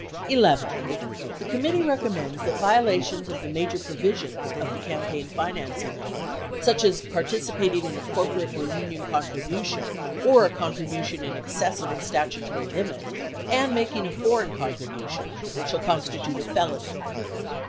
11. The committee recommends that violations of the major provisions of the campaign financing law, such as participating in a corporate or union contribution or a contribution in excess of the statutory limit, and making a foreign contribution, shall constitute a felony.